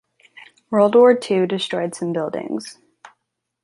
WWII destroyed some buildings.